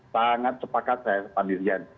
sangat sepakat saya pak dirjen